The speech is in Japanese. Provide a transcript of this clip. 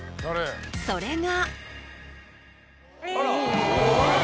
それが。